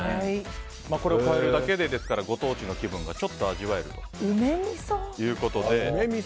これを変えるだけでご当地の気分がちょっと味わえるということで。